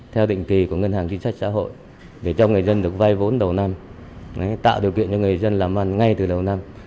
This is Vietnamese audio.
theo định kỳ của ngân hàng chính sách xã hội để cho người dân được vay vốn đầu năm tạo điều kiện cho người dân làm ăn ngay từ đầu năm